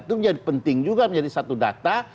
itu menjadi penting juga menjadi satu data